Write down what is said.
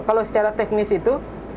kalau secara teknis itu